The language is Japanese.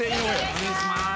お願いします。